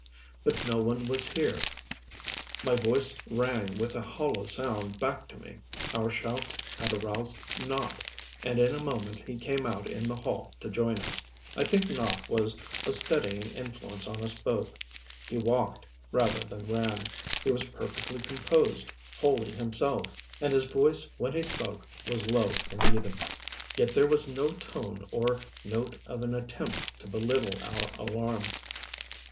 But no one was here. My voice rang with a hollow sound back to me. Our shouts had aroused Nopp, and in a moment he came out in the hall to join us. I think Nopp was a steadying influence on us both. He walked, rather than ran, he was perfectly composed, wholly himself, and his voice when he spoke was low and even. Yet there was no tone or note of an attempt to belittle our alarm.